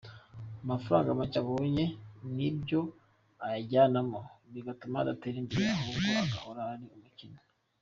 Amafaranga makeya abonye ni byo ayajyanamo, bigatuma adatera imbere ahubwo agahora ari umukene.